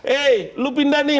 eh lu pindah nih